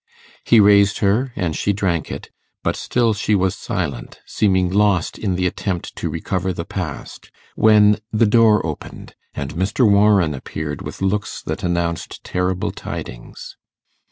He raised her, and she drank it; but still she was silent, seeming lost in the attempt to recover the past, when the door opened, and Mr. Warren appeared with looks that announced terrible tidings.